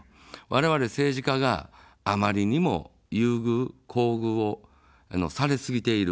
われわれ政治家があまりにも優遇、厚遇をされすぎている。